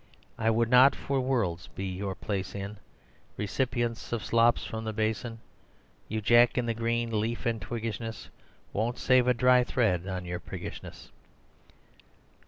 I would not for worlds be your place in Recipient of slops from the basin! You, Jack in the Green, leaf and twiggishness Won't save a dry thread on your priggishness!"